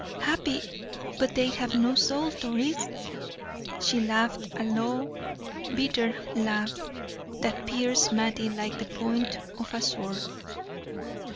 "Happy, but they have no soul, Doris." She laughed a low, bitter laugh that pierced Mattie like the point of a sword.